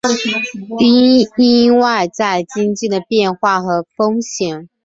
因应外在经济的变化和风险